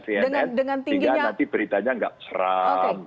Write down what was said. sehingga nanti beritanya tidak terlalu seram